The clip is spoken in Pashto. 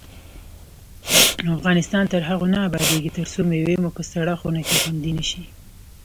افغانستان تر هغو نه ابادیږي، ترڅو مېوې مو په سړه خونه کې خوندي نشي.